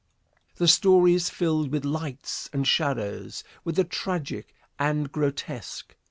The story is filled with lights and shadows, with the tragic and grotesque.